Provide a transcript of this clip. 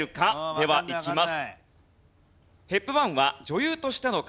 ではいきます。